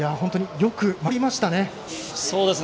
よく守りましたね。